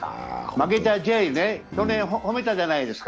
負けたジェイ、去年、褒めたじゃないですか。